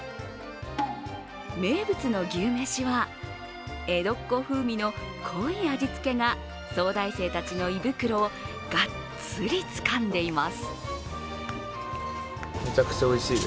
名物の牛めしは、江戸っ子風味の濃い味付けが早大生たちの胃袋をがっつり、つかんでいます。